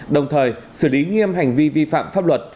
đồng thời xử lý nghiêm hành vi vi phạm pháp luật